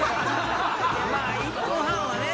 まぁ１分半はね